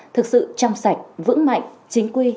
thực sự chăm sạch vững mạnh chính quy